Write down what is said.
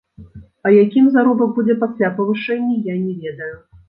А якім заробак будзе пасля павышэння, я не ведаю.